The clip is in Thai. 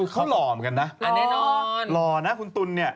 เขาหล่อเหมือนกันนะหล่อนะคุณตุ๋นเนี่ย